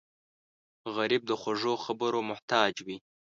غریب د خوږو خبرو محتاج وي